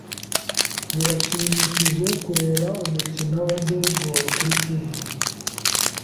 Birashimishije kureba umukino wa baseball kuri TV.